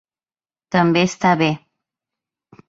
També està bé.